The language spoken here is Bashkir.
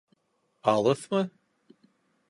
Алыҫмы?